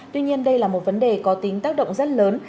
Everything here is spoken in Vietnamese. tuy nhiên đây là một vấn đề có tính tác động rất lớn